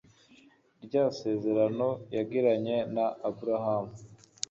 rya sezerano yagiranye na Abrahamu